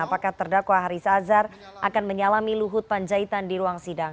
apakah terdakwa haris azhar akan menyalami luhut panjaitan di ruang sidang